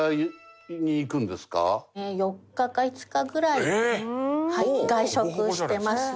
４日か５日ぐらい外食してますよ。